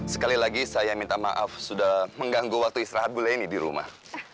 sekali lagi saya minta maaf sudah mengganggu waktu istirahat bu leni di rumah